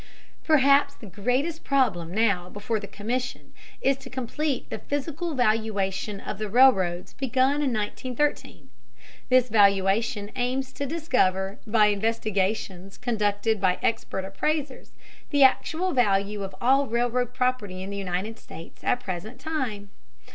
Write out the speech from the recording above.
Perhaps the greatest problem now before the Commission is to complete the "physical valuation" of the railroads begun in 1913. This valuation aims to discover, by investigations conducted by expert appraisers, the actual value of all railroad property in the United States at the present time.